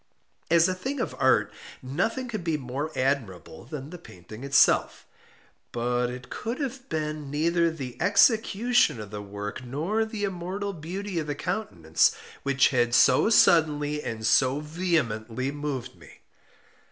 As a thing of art nothing could be more admirable than the painting itself. But it could have been neither the execution of the work, nor the immortal beauty of the countenance, which had so suddenly and so vehemently moved me.